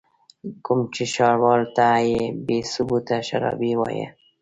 کوم چې ښاروال ته بې ثبوته شرابي وايي.